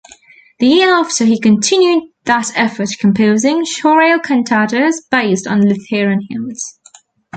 The year after, he continued that effort, composing chorale cantatas based on Lutheran hymns.